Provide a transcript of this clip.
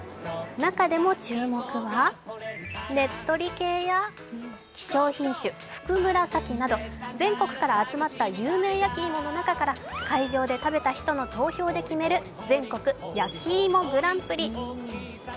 中でも注目はねっとり系や希少品種ふくむらさきなど全国から集まった有名焼き芋の中から会場で食べた人の投票で決める全国やきいもグランプリ。